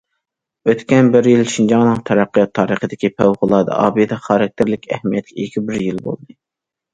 ئۆتكەن بىر يىل شىنجاڭنىڭ تەرەققىيات تارىخىدىكى پەۋقۇلئاددە، ئابىدە خاراكتېرلىك ئەھمىيەتكە ئىگە بىر يىل بولدى.